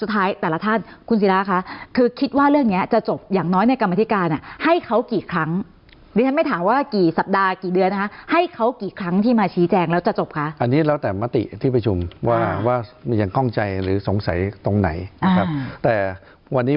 ให้สั่งไม่ฟ้องแล้วก็ไม่มีคำสั่งแย้งแล้วถ้าในก็ต้องมา